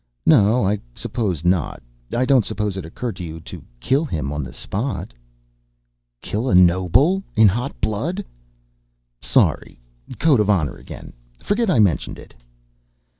"No, I suppose not. I don't suppose it occurred to you to kill him on the spot?" "Kill a noble in hot blood?" "Sorry. Code of honor again. Forget I mentioned it."